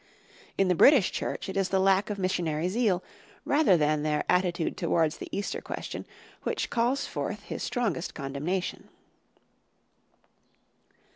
In the British Church it is the lack of missionary zeal, rather than their attitude towards the Easter question, which calls forth his strongest condemnation.